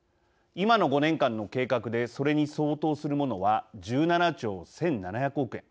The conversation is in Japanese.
今の５年間の計画でそれに相当するものは１７兆１７００億円。